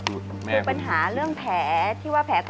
สวัสดีครับ